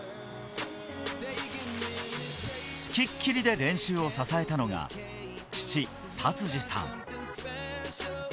つきっきりで練習を支えたのが、父・辰司さん。